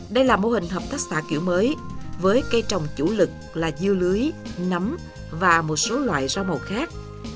đây là mô hình hợp tác xã kiểu mới với cây trồng chủ lực là dưa lưới nấm và một số loại rau màu khác